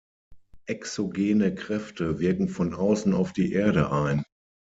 Exogene Kräfte wirken von außen auf die Erde ein.